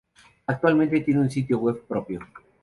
Actualmente tiene un sitio web propio.